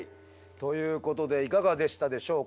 ということでいかがでしたでしょうか？